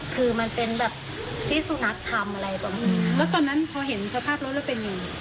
คือมันเป็นแบบที่สุนัขทำอะไรพวกอืมอืมแล้วตอนนั้นหอเห็นสภาพลดลดเป็นไง